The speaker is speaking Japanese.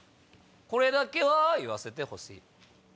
これだけは言わせてほしい。